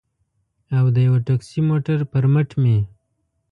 او د یوه ټکسي موټر پر مټ مې.